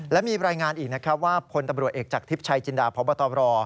และมีรายงานอีกว่าคนตำรวจเอกจากทริปชัยจินดาพบตร